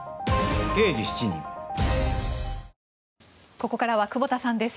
ここからは久保田さんです。